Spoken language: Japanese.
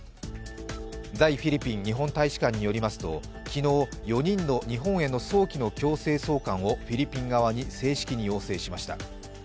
在フィリピン日本大使館によりますと、昨日４人の日本への早期の強制送還をフィリピン側に正規に要請しました。